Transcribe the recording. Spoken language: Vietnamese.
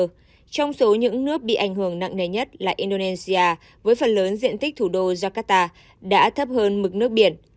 trong số những nước bị ảnh hưởng nặng nề nhất là indonesia với phần lớn diện tích thủ đô jakarta đã thấp hơn mực nước biển